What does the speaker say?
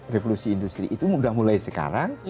revolusi industri itu sudah mulai sekarang